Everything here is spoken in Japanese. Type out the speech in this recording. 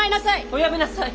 おやめなさい。